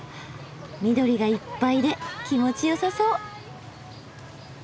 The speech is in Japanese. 緑がいっぱいで気持ちよさそう。